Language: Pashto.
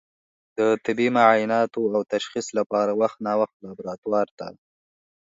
د طبي معایناتو او تشخیص لپاره وخت نا وخت لابراتوار ته